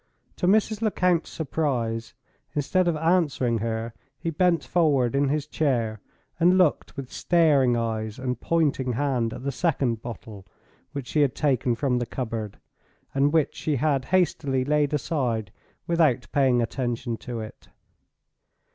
To Mrs. Lecount's surprise, instead of answering her, he bent forward in his chair, and looked with staring eyes and pointing hand at the second bottle which she had taken from the cupboard, and which she had hastily laid aside without paying attention to it.